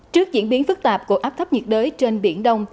trước diễn biến phức tạp của áp thấp nhiệt đới trên biển đông